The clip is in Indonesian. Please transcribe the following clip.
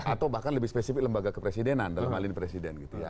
atau bahkan lebih spesifik lembaga kepresidenan dalam hal ini presiden gitu ya